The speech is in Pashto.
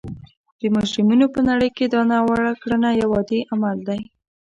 د مجرمینو په نړۍ کې دا ناوړه کړنه یو عادي عمل دی